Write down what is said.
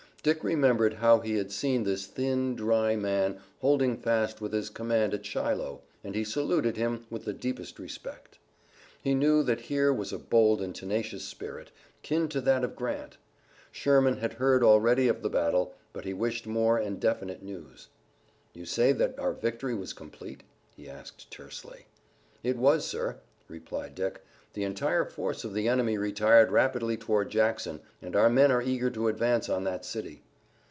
Dick remembered how he had seen this thin, dry man holding fast with his command at Shiloh, and he saluted him with the deepest respect. He knew that here was a bold and tenacious spirit, kin to that of Grant. Sherman had heard already of the battle, but he wished more and definite news. "You say that our victory was complete?" he asked tersely. "It was, sir," replied Dick. "The entire force of the enemy retired rapidly toward Jackson, and our men are eager to advance on that city."